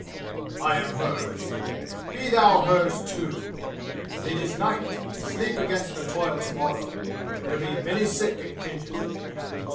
"I am hers! Be thou hers, too! But it is night. Sleep against the toil tomorrow. There be many sick in Khinjan."